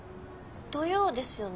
土曜ですよね？